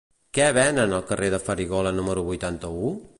Què venen al carrer de la Farigola número vuitanta-u?